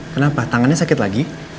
kenapa tangannya sakit lagi